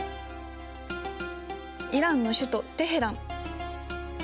イランの首都テヘラン。